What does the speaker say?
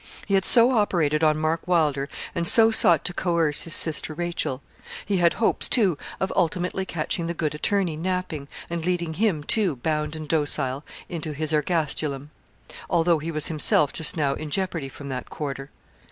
He had so operated on Mark Wylder; and so sought to coerce his sister Rachel. He had hopes, too, of ultimately catching the good attorney napping, and leading him too, bound and docile, into his ergastulum, although he was himself just now in jeopardy from that quarter.